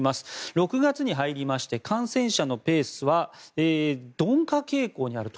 ６月に入りまして感染者のペースは鈍化傾向にあると。